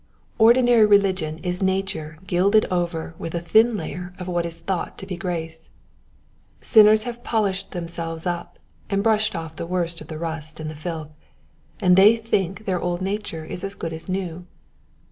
Ordinary religion is nature gilded over with a thin layer of what is thought to be grace. Sinners have polished themselves up, and brushed off the worst of the rust and the filth, and they think their old nature is as good as new.